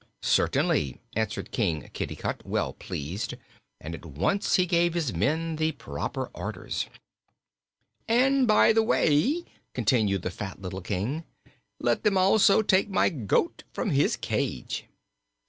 "Certainly," answered King Kitticut, well pleased, and at once he gave his men the proper orders. "And, by the way," continued the fat little King, "let them also take my goat from his cage."